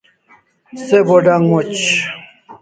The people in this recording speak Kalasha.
Se bo d'ang moch